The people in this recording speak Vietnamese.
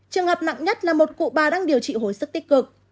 trường hợp nặng nhất là một cụ bà đang điều trị hồi sức tích cực